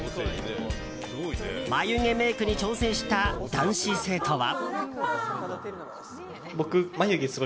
眉毛メイクに挑戦した男子生徒は。